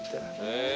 へえ。